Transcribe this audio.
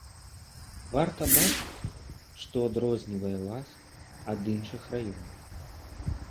Варта бачыць, што адрознівае вас ад іншых раёнаў.